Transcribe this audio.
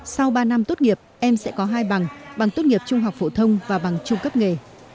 sau ba năm tốt nghiệp em sẽ có hai bằng bằng tốt nghiệp trung học phổ thông và bằng trung cấp nghề